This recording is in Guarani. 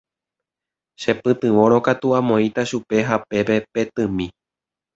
Chepytyvõrõ katui amoĩta chupe hapépe petỹmi.